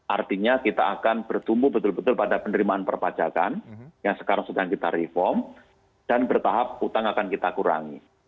artinya kita akan bertumbuh betul betul pada penerimaan perpajakan yang sekarang sedang kita reform dan bertahap utang akan kita kurangi